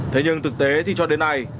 thế nhưng thực tế thì cho đến nay